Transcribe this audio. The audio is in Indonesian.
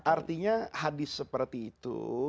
artinya hadis seperti itu